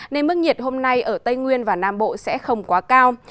thời tiết hôm nay ở tây nguyên và nam bộ sẽ không quá cao